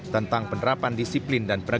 tentang penerapan disiplin dan penegakan